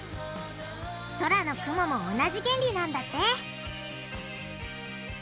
空の雲も同じ原理なんだって！